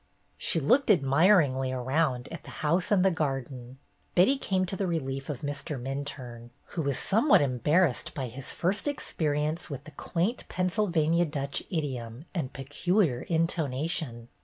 She looked admiringly around at the house and the garden. Betty came to the relief of Mr. Minturne, who was somewhat embarrassed by his first experience with the quaint Pennsylvania Dutch idiom and peculiar intonation.